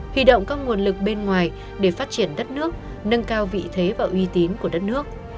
huy động các nguồn lực bên ngoài để phát triển đất nước nâng cao vị thế và uy tín của đất nước